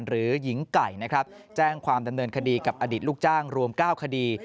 หรือหญิงไก่นะครับแจ้งความดำเนินคดีกับอดีตลูกจ้างรวม๙คดี